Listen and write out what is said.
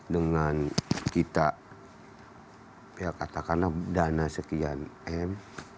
dengan kita ya katakanlah dana sekian m